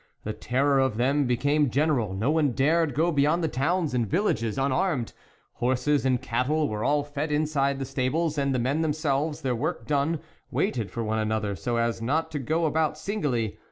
The terror of them became general ; no one dared go beyond the towns and villages unarmed ; horses and cattle were all fed inside the stables, and the men them selves, their work done, waited for one another, so as not to go about singly.